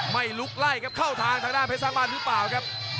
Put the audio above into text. ไม่ลุกไล่ครับเข้าทางทางด้านเพชรสร้างบ้านหรือเปล่าครับ